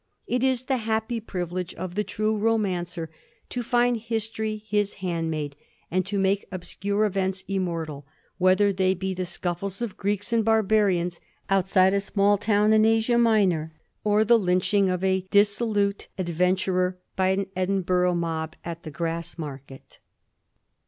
It is the happy privilege of the true romancer to find history his hand maid, and to make obscure events immortal, whether they be the scuffles of Greeks and barbarians outside a small town in Asia Minor, or the lynching of a dissolute ad venturer by an Edinburgh mob ut the Grassmarket.